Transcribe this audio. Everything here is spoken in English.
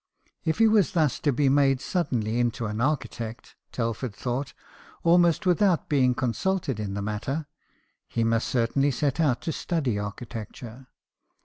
If he was thus to be made suddenly into an architect, Telford thought, almost without being consulted THOMAS TELFORD, STONEMASON. 19 in the matter, he must certainly set out to study architecture.